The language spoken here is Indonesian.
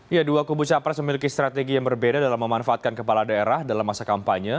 ya dua kubu capres memiliki strategi yang berbeda dalam memanfaatkan kepala daerah dalam masa kampanye